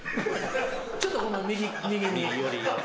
ちょっとこの右に。